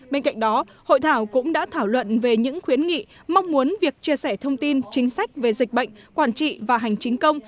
bên cạnh đó hội thảo cũng đã thảo luận về những khuyến nghị mong muốn việc chia sẻ thông tin chính sách về dịch bệnh quản trị và hành chính công